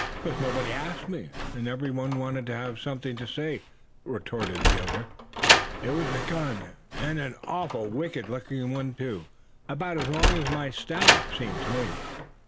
"'Cause nobody asked me; and every one wanted to have something to say," retorted the other. "It was a gun, and an awful wicked looking one too, about as long as my staff, seemed to me."